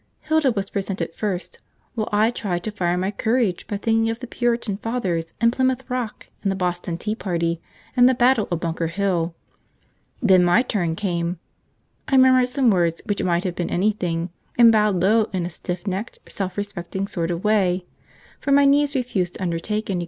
Hilda was presented first, while I tried to fire my courage by thinking of the Puritan Fathers, and Plymouth Rock, and the Boston Tea Party, and the battle of Bunker Hill. Then my turn came. I murmured some words which might have been anything, and curtsied in a stiff necked self respecting sort of way.